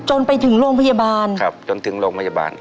จนถึงโรงพยาบาลครับจนถึงโรงพยาบาล